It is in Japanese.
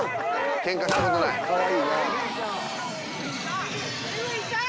ケンカしたことない。